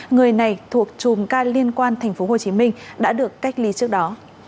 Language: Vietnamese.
người này thuộc chùm ca liên quan tp hcm đã được cách ly trước đó